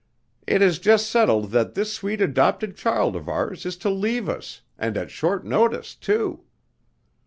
"It is just settled that this sweet adopted child of ours is to leave us and at short notice too.